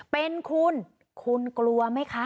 เป็นคุณคุณกลัวไหมคะ